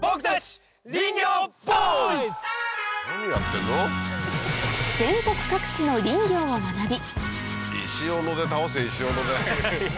そこで全国各地の林業を学び